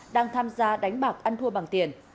đang tham gia đánh bạc ăn thua bằng tiền